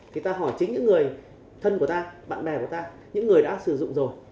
thì ta hỏi chính những người thân của ta bạn bè của ta những người đã sử dụng rồi